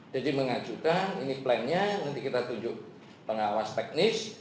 jadi mengajukan ini plannya nanti kita tunjuk pengawas teknis